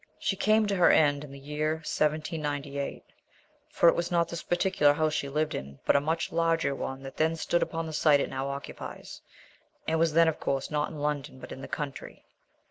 She came to her end in the year 1798, for it was not this particular house she lived in, but a much larger one that then stood upon the site it now occupies, and was then, of course, not in London, but in the country.